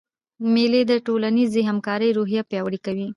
مېلې د ټولنیزي همکارۍ روحیه پیاوړې کوي.